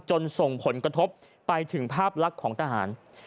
ส่งผลกระทบไปถึงภาพลักษณ์ของทหาร